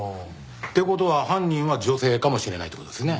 って事は犯人は女性かもしれないって事ですね。